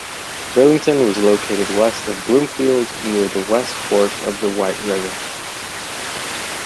Burlington was located west of Bloomfield near the west fork of the White River.